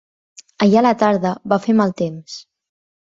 Ahir a la tarda va fer mal temps.